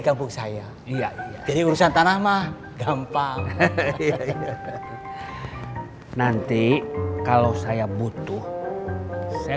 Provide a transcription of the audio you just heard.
kampung saya iya jadi urusan tanah mah gampang nanti kalau saya butuh saya